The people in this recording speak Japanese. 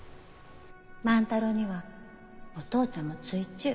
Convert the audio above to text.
万太郎にはお父ちゃんもついちゅう。